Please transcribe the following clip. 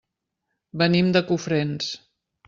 Venim de Cofrents.